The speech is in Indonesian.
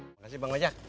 terima kasih bang majak